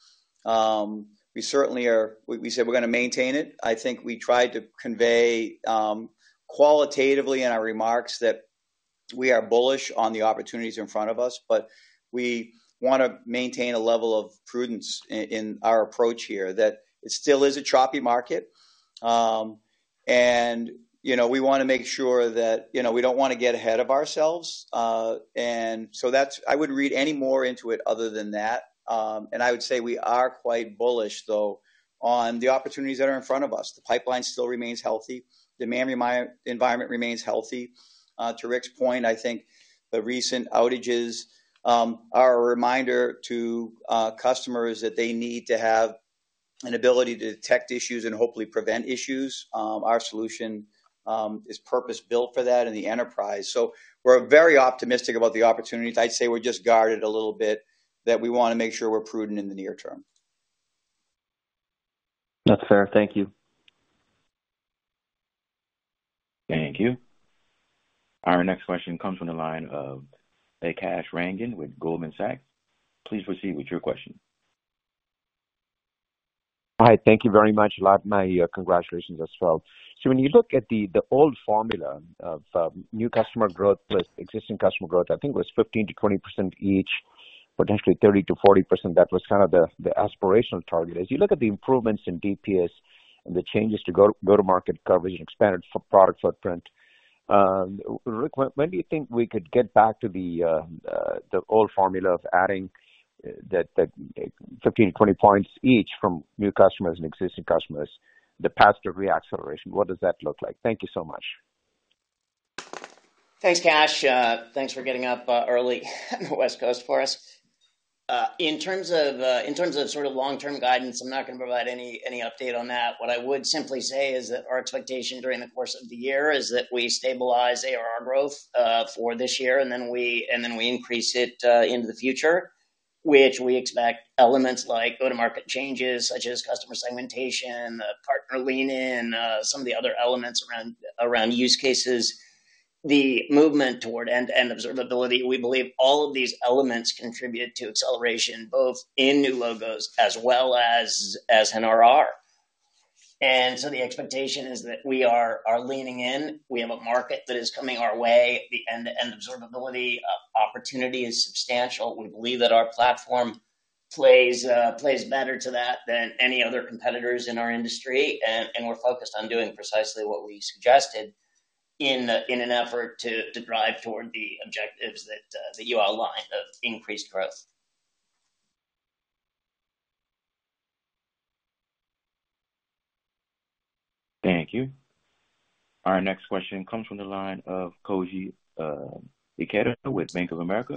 We certainly are. We said we're gonna maintain it. I think we tried to convey qualitatively in our remarks that we are bullish on the opportunities in front of us, but we wanna maintain a level of prudence in our approach here, that it still is a choppy market. And, you know, we wanna make sure that, you know, we don't wanna get ahead of ourselves, and so that's. I wouldn't read any more into it other than that. And I would say we are quite bullish, though, on the opportunities that are in front of us. The pipeline still remains healthy. Demand environment remains healthy. To Rick's point, I think the recent outages are a reminder to customers that they need to have an ability to detect issues and hopefully prevent issues. Our solution is purpose-built for that in the enterprise. So we're very optimistic about the opportunities. I'd say we're just guarded a little bit, that we wanna make sure we're prudent in the near term. That's fair. Thank you. Thank you. Our next question comes from the line of Kash Rangan with Goldman Sachs. Please proceed with your question. Hi, thank you very much. Let me, my congratulations as well. So when you look at the old formula of new customer growth plus existing customer growth, I think it was 15%-20% each, potentially 30%-40%, that was kind of the aspirational target. As you look at the improvements in DPS and the changes to go-to-market coverage and expanded product footprint, Rick, when do you think we could get back to the old formula of adding that 15, 20 points each from new customers and existing customers, the path to reacceleration, what does that look like? Thank you so much. Thanks, Kash. Thanks for getting up early on the West Coast for us. In terms of sort of long-term guidance, I'm not gonna provide any update on that. What I would simply say is that our expectation during the course of the year is that we stabilize ARR growth for this year, and then we increase it into the future, which we expect elements like go-to-market changes, such as customer segmentation, partner lean in, some of the other elements around use cases, the movement toward end-to-end observability. We believe all of these elements contribute to acceleration, both in new logos as well as NRR. And so the expectation is that we are leaning in. We have a market that is coming our way. The end-to-end observability of opportunity is substantial. We believe that our platform plays better to that than any other competitors in our industry, and we're focused on doing precisely what we suggested in an effort to drive toward the objectives that you outlined, of increased growth. Thank you. Our next question comes from the line of Koji Ikeda with Bank of America.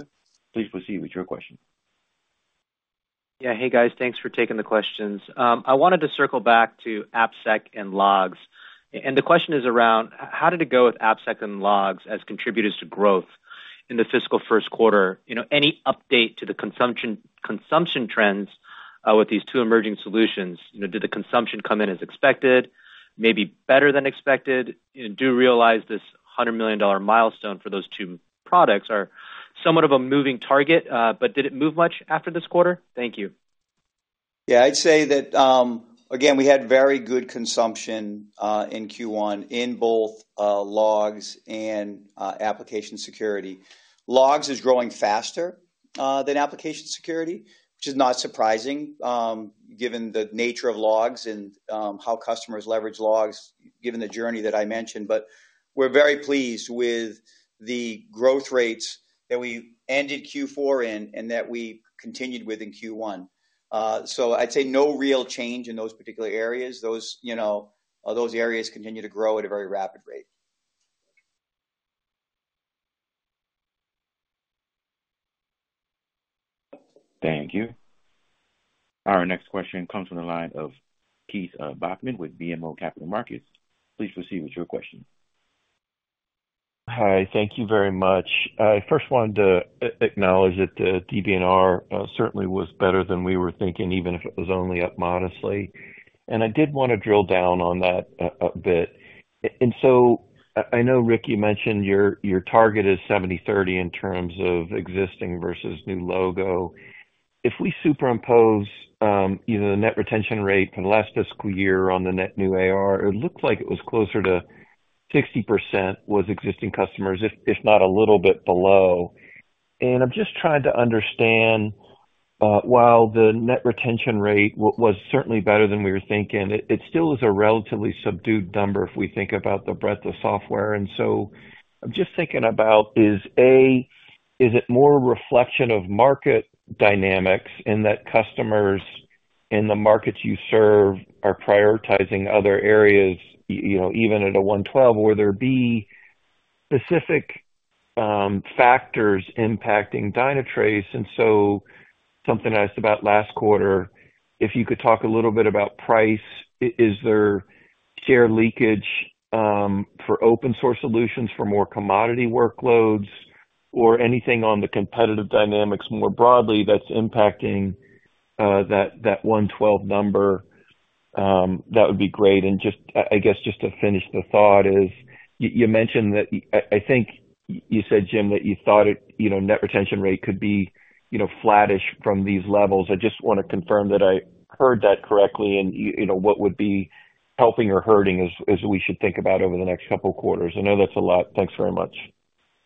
Please proceed with your question. Yeah. Hey, guys. Thanks for taking the questions. I wanted to circle back to AppSec and logs. And the question is around, how did it go with AppSec and logs as contributors to growth in the fiscal first quarter? You know, any update to the consumption, consumption trends with these two emerging solutions? You know, did the consumption come in as expected, maybe better than expected? I do realize this $100 million dollar milestone for those two products are somewhat of a moving target, but did it move much after this quarter? Thank you. Yeah, I'd say that, again, we had very good consumption in Q1 in both logs and application security. Logs is growing faster than application security, which is not surprising, given the nature of logs and how customers leverage logs, given the journey that I mentioned. But we're very pleased with the growth rates that we ended Q4 in, and that we continued with in Q1. So I'd say no real change in those particular areas. Those, you know, those areas continue to grow at a very rapid rate. Thank you. Our next question comes from the line of Keith Bachman with BMO Capital Markets. Please proceed with your question. Hi, thank you very much. I first wanted to acknowledge that DBNR certainly was better than we were thinking, even if it was only up modestly. I did wanna drill down on that a bit. So I know, Rick, you mentioned your target is 70/30 in terms of existing versus new logo. If we superimpose, you know, the net retention rate from the last fiscal year on the net new ARR, it looked like it was closer to 60% was existing customers, if not a little bit below. I'm just trying to understand while the net retention rate was certainly better than we were thinking, it still is a relatively subdued number if we think about the breadth of software. I'm just thinking about, is it more a reflection of market dynamics in that customers in the markets you serve are prioritizing other areas, you know, even at a 112? Or were there, B, specific factors impacting Dynatrace? And so something I asked about last quarter, if you could talk a little bit about price. Is there share leakage for open source solutions, for more commodity workloads, or anything on the competitive dynamics more broadly that's impacting that 112 number? That would be great. And just, I guess, just to finish the thought is, you mentioned that. I think you said, Jim, that you thought it, you know, net retention rate could be, you know, flattish from these levels. I just wanna confirm that I heard that correctly, and you know, what would be helping or hurting as, as we should think about over the next couple of quarters? I know that's a lot. Thanks very much.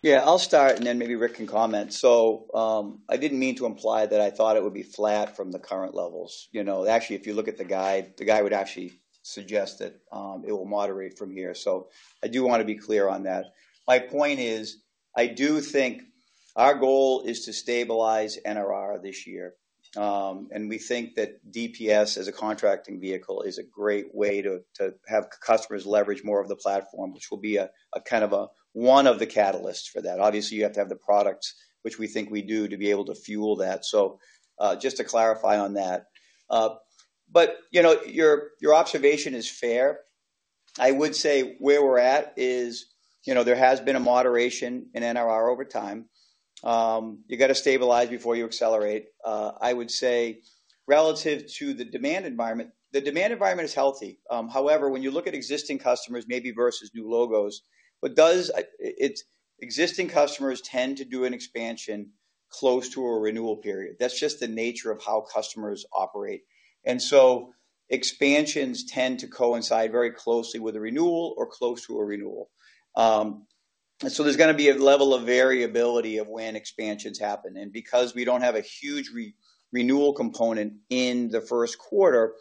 Yeah, I'll start, and then maybe Rick can comment. So, I didn't mean to imply that I thought it would be flat from the current levels. You know, actually, if you look at the guide, the guide would actually suggest that it will moderate from here. So I do wanna be clear on that. My point is, I do think our goal is to stabilize NRR this year, and we think that DPS, as a contracting vehicle, is a great way to have customers leverage more of the platform, which will be a kind of one of the catalysts for that. Obviously, you have to have the products, which we think we do, to be able to fuel that. So, just to clarify on that. But, you know, your observation is fair. I would say where we're at is, you know, there has been a moderation in NRR over time. You gotta stabilize before you accelerate. I would say relative to the demand environment, the demand environment is healthy. However, when you look at existing customers, maybe versus new logos, existing customers tend to do an expansion close to a renewal period. That's just the nature of how customers operate. And so expansions tend to coincide very closely with a renewal or close to a renewal. So there's gonna be a level of variability of when expansions happen. And because we don't have a huge re-renewal component in the first quarter,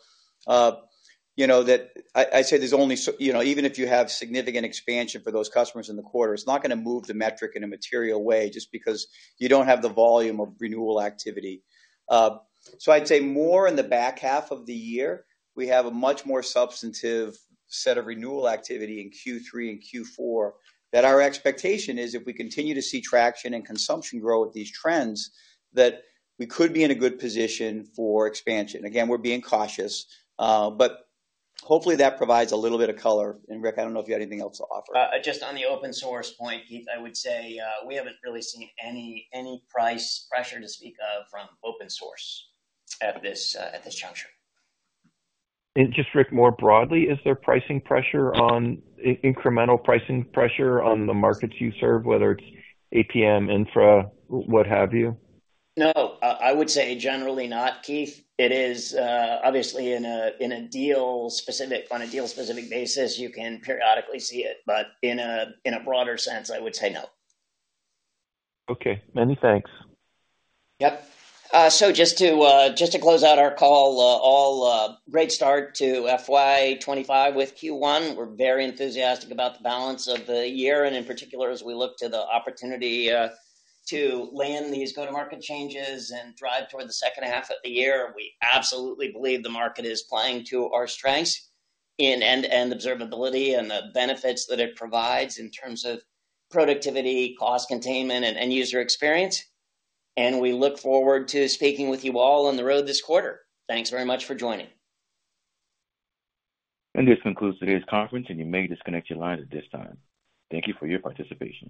you know, that I, I'd say there's only so... You know, even if you have significant expansion for those customers in the quarter, it's not gonna move the metric in a material way just because you don't have the volume of renewal activity. So I'd say more in the back half of the year, we have a much more substantive set of renewal activity in Q3 and Q4. That our expectation is if we continue to see traction and consumption grow with these trends, that we could be in a good position for expansion. Again, we're being cautious, but hopefully, that provides a little bit of color. Rick, I don't know if you have anything else to offer. Just on the open source point, Keith, I would say, we haven't really seen any price pressure to speak of from open source at this juncture. Just, Rick, more broadly, is there incremental pricing pressure on the markets you serve, whether it's APM, infra, what have you? No, I would say generally not, Keith. It is obviously, on a deal-specific basis, you can periodically see it, but in a broader sense, I would say no. Okay, many thanks. Yep. So just to just to close out our call, a great start to FY 25 with Q1. We're very enthusiastic about the balance of the year, and in particular, as we look to the opportunity to land these go-to-market changes and drive toward the second half of the year. We absolutely believe the market is playing to our strengths in end-to-end observability and the benefits that it provides in terms of productivity, cost containment, and end-user experience. And we look forward to speaking with you all on the road this quarter. Thanks very much for joining. This concludes today's conference, and you may disconnect your lines at this time. Thank you for your participation.